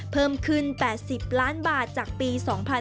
เพิ่มขึ้น๘๐ล้านบาทจากปี๒๕๕๙